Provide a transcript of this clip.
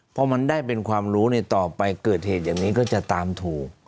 พอมันได้เป็นความรู้ต่อไปเกิดเหตุอย่างนี้ก็จะตามถูก